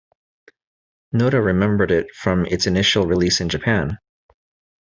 Noda remembered it from its initial release in Japan.